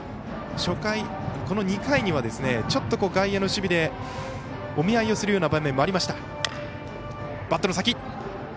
初回、この２回にはちょっと外野の守備でお見合いをするような場面もありました。